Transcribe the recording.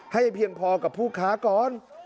ให้เพียงพอกับผู้ค้าก่อน